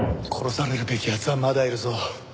殺されるべき奴はまだいるぞ。